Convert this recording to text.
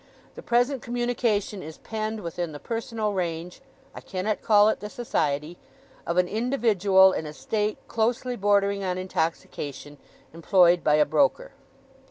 'The present communication is penned within the personal range (I cannot call it the society) of an individual, in a state closely bordering on intoxication, employed by a broker.